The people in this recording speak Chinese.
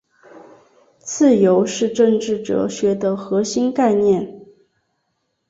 自由是政治哲学的核心概念。